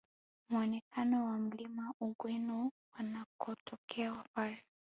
Muonekano wa Mlima Ugweno wanakotokea wapare